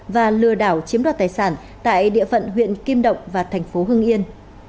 và lừa đảo chiếm đoạt tài sản tại địa phận huyện kim động và thành phố hưng yên